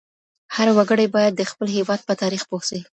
هر وګړی باید د خپل هېواد په تاریخ پوه سي.